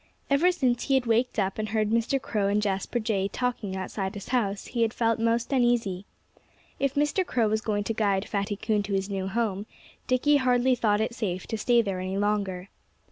Ever since he had waked up and heard Mr. Crow and Jasper Jay talking outside his house he had felt most uneasy. If Mr. Crow was going to guide Fatty Coon to his new home, Dickie hardly thought it safe to stay there any longer.